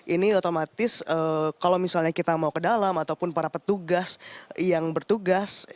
ini otomatis kalau misalnya kita mau ke dalam ataupun para petugas yang bertugas